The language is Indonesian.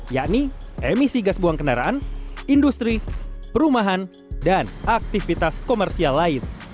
yakni emisi gas buang kendaraan industri perumahan dan aktivitas komersial lain